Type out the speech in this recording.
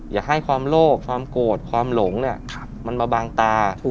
อย่าให้ความโลภความโกรธความหลงเนี่ยมันมาบางตา